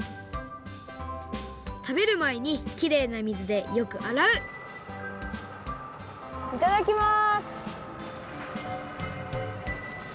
たべるまえにきれいな水でよくあらういただきます！